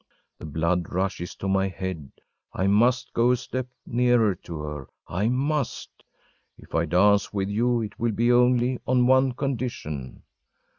The blood rushes to my head I must go a step nearer to her I must! “If I dance with you, it will be only on one condition!